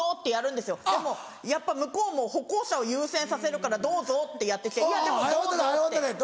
でもやっぱ向こうも歩行者を優先させるから「どうぞ」ってやって来て「いやでもどうぞ」って。